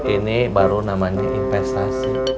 ini baru namanya investasi